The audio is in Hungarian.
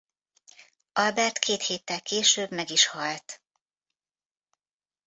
Albert két héttel később meg is halt.